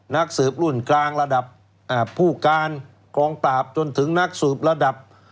นักสืบรุ่นกลางระดับผู้การกองปราบจนถึงนักสืบระดับ